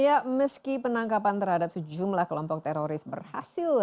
ya meski penangkapan terhadap sejumlah kelompok teroris berhasil